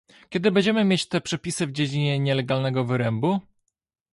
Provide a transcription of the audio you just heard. Kiedy będziemy mieć te przepisy w dziedzinie nielegalnego wyrębu?